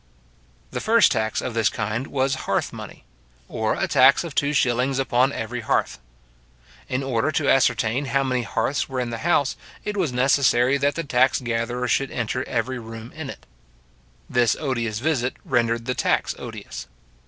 The first tax of this kind was hearth money; or a tax of two shillings upon every hearth. In order to ascertain how many hearths were in the house, it was necessary that the tax gatherer should enter every room in it. This odious visit rendered the tax odious.